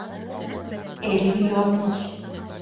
Әлеге яҙмыш!